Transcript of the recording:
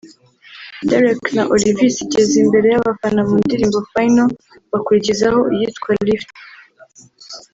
Derek na Olivis igeze imbere y’abafana mu ndirimbo ’Final’ bakurikizaho iyitwa ’Lift’